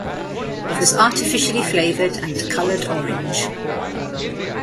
It was artificially flavoured and coloured orange.